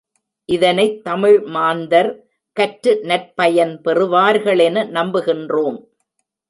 இதனைத் தமிழ்மாந்தர் கற்று நற்பயன் பெறுவார்களென நம்புகின்றோம்.